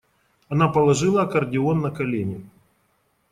Она положила аккордеон на колени